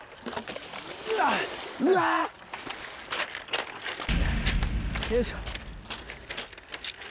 あぁうわ。よいしょ。